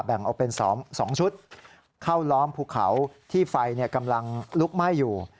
แบ่งออกเป็น๒ชุดเข้าล้อมภูเขาที่ไฟกำลังลุกไหม้อยู่